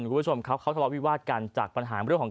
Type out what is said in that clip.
คุณผู้ชมครับเขาทะเลาวิวาสกันจากปัญหาเรื่องของ